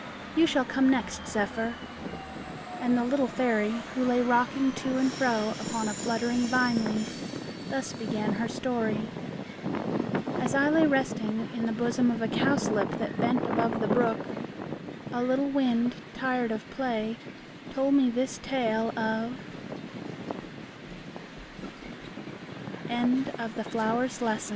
You shall come next, Zephyr." And the little Fairy, who lay rocking to and fro upon a fluttering vine leaf, thus began her story:— "As I lay resting in the bosom of a cowslip that bent above the brook, a little wind, tired of play, told me this tale of LILY BELL AND THISTLEDOW